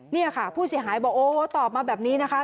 นี่ค่ะผู้เสียหายบอกโอ้ตอบมาแบบนี้นะคะ